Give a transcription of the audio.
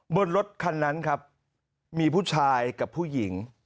บนรถคันนั้นครับมีผู้ชายกับผู้หญิง